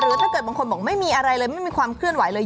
ถ้าเกิดบางคนบอกไม่มีอะไรเลยไม่มีความเคลื่อนไหวเลย